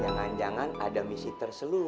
jangan jangan ada misi terseluruh